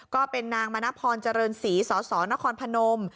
ก็เป็นนางมณพรเจริญศรีสสนครพนม